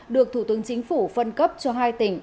được thủ tướng chính phủ phân cấp cho hai tỉnh